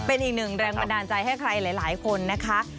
เป็นอีกหนึ่งแรงบันดาลใจให้ใครหลายคนนะคะ